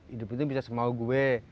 hidup itu bisa semau gue